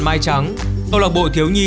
mai trắng câu lạc bộ thiếu nhi